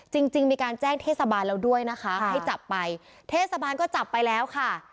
จริงจริงมีการแจ้งเทศบาลแล้วด้วยนะคะให้จับไปเทศบาลก็จับไปแล้วค่ะ